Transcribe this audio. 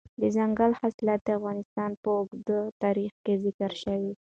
دځنګل حاصلات د افغانستان په اوږده تاریخ کې ذکر شوي دي.